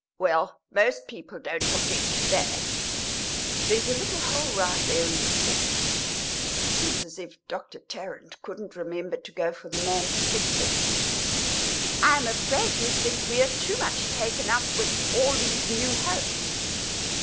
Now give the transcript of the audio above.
Well, most people don't object to that. There's a little hole right there in the porch; it seems as if Doctor Tarrant couldn't remember to go for the man to fix it. I am afraid you'll think we're too much taken up with all these new hopes.